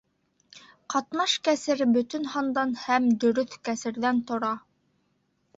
Ҡатнаш кәсер бөтөн һандан һәм дөрөҫ кәсерҙән тора